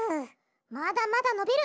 まだまだのびる。